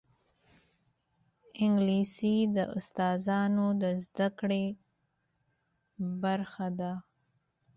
انګلیسي د استاذانو د زده کړې برخه ده